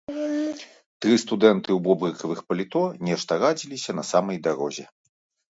Тры студэнты ў бобрыкавых паліто нешта радзіліся на самай дарозе.